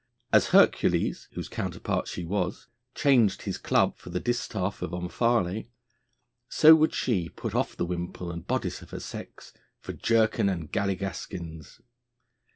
As Hercules, whose counterpart she was, changed his club for the distaff of Omphale, so would she put off the wimple and bodice of her sex for jerkin and galligaskins.